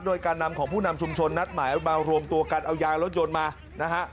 โดยการนำของผู้นำชุมชนนัดหมายมารวมตัวกันเอายางรถยนต์มานะฮะ